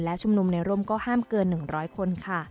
และชุมนุมในร่มก็ห้ามเกิน๑๐๐คนค่ะ